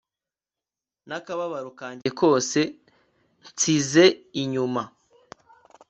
n'akababaro kanjye kose nsize inyuma